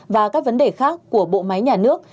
và các vấn đề khác của bộ máy nhà nước